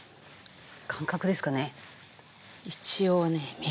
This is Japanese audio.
感覚ですかね？